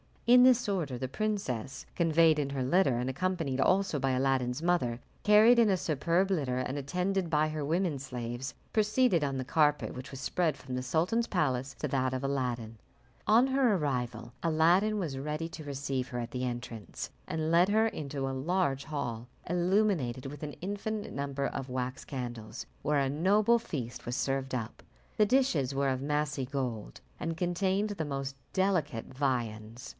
In this order the princess, conveyed in her litter, and accompanied also by Aladdin's mother, carried in a superb litter and attended by her women slaves, proceeded on the carpet which was spread from the sultan's palace to that of Aladdin. On her arrival Aladdin was ready to receive her at the entrance, and led her into a large hall, illuminated with an infinite number of wax candles, where a noble feast was served up. The dishes were of massy gold, and contained the most delicate viands.